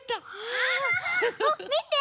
あっみて！